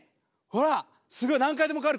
ほらすごい何回でも変わる。